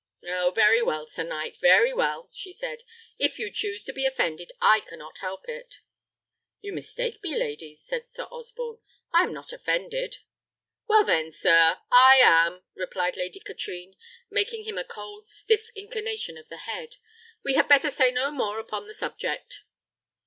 "Oh! very well, sir knight; very well!" she said. "If you choose to be offended I cannot help it." "You mistake me, lady," said Sir Osborne, "I am not offended." "Well then, sir, I am," replied Lady Katrine, making him a cold stiff inclination of the head. "So we had better say no more upon the subject."